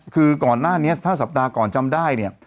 คือก่อนหน้านี้ถ้าสัปดาห์ก่อนจำได้เนี่ย